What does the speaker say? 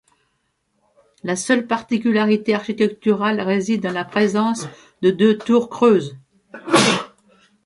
La seule particularité architecturale réside dans la présence de deux tours creuses.